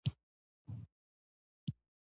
هغه ښه هلک دی